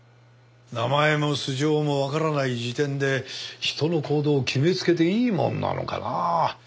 名前も素性もわからない時点で人の行動を決めつけていいものなのかなあ？